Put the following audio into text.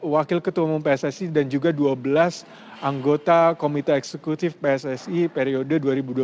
wakil ketua umum pssi dan juga dua belas anggota komite eksekutif pssi periode dua ribu dua puluh tiga dua ribu dua puluh tujuh